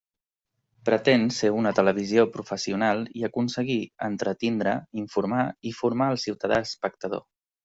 Pretén ser una televisió professional i aconseguir entretindre, informar i formar al ciutadà espectador.